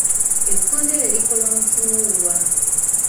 Ekkondeere likolwa mu kiwuuwa.